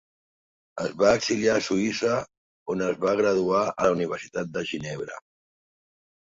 Es va exiliar a Suïssa, on es va graduar a la Universitat de Ginebra.